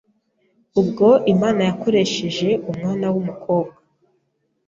Ubwo Imana yakoresheje umwana w’umukobwa